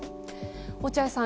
落合さん